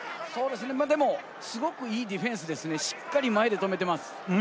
でもすごく、いいディフェンスですね、しっかり前で止めています。